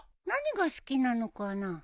何が好きなのかな？